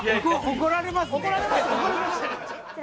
怒られますね。